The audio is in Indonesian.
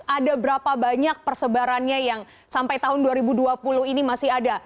ada berapa banyak persebarannya yang sampai tahun dua ribu dua puluh ini masih ada